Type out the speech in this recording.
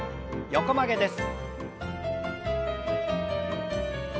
横曲げです。